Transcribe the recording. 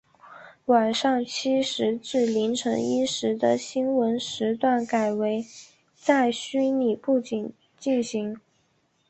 晚上七时至凌晨一时的新闻时段改为在虚拟布景进行。